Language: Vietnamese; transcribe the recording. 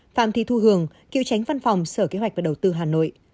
phạm thị thu hường cựu tránh văn phòng sở kế hoạch và đầu tư hà nội